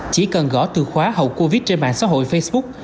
chỉ cần gõ từ khóa hậu covid trên mạng xã hội facebook